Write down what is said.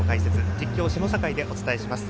実況、下境でお伝えします。